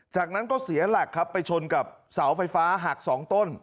จากนั้นก็เสียหลักครับไปชนกับเสาไฟฟ้าหักสองต้น